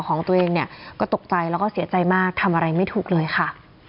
ก็ตกใจแล้วก็เสียใจมากทำอะไรไม่ถูกเลยค่ะ